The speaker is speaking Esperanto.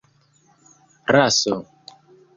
raso